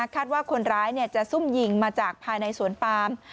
คาดว่าคนร้ายจะซุ่มยิงมาจากภายในสวนปาม